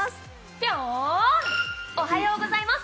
ピョーン、おはようございます。